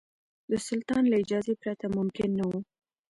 د سلطان له اجازې پرته ممکن نه وو.